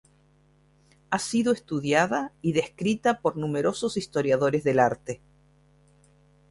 Ha sido estudiada y descrita por numerosos historiadores del arte.